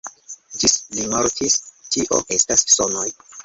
Ĝis li mortos, tio estos sonoj.